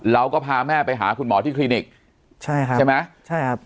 เราก็พาแม่ไปหาคุณหมอที่คลินิกใช่ไหม